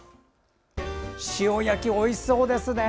塩焼きおいしそうですね。